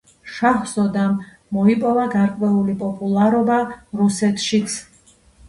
შაჰზოდამ მოიპოვა გარკვეული პოპულარობა რუსეთშიც.